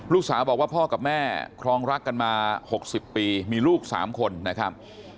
ลูกสาวบอกว่าพ่อกับแม่ครองรักกันมา๖๐ปีมีลูก๓คนนะครับ